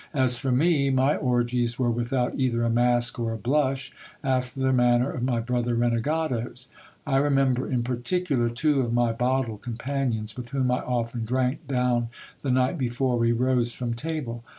As for me, my orgies were without either a mask or a blush, after the manner of my brother renegadoes. I remember in particular two of my bottle companions, with whom I often drank down the night before we rose from table.